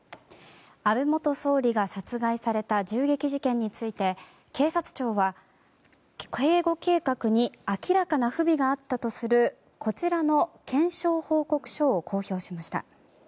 安倍元総理が殺害された銃撃事件について警察庁は、警護計画に明らかな不備があったとするこちらの検証報告書を公表しました。